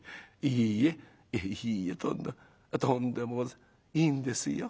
いいえいいえとんでもございませんいいんですよ。